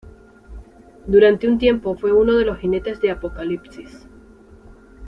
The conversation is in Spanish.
Durante un tiempo fue uno de los Jinetes de Apocalipsis.